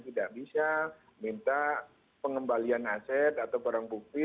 tidak bisa minta pengembalian aset atau barang bukti